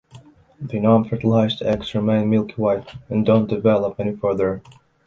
The non-fertilized eggs remain milky white and don’t develop any further.